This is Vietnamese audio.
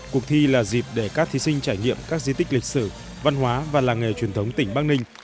cuộc thi là dịp để các thí sinh trải nghiệm các di tích lịch sử văn hóa và làng nghề truyền thống tỉnh bắc ninh